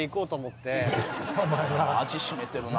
味占めてるな。